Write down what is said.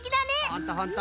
ほんとほんと！